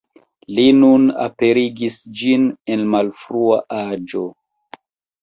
Li nur aperigis ĝin en malfrua aĝo.